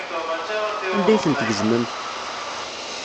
Anda ay tent-tgezmemt?